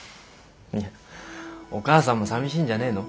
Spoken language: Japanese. いやお母さんも寂しいんじゃねえの？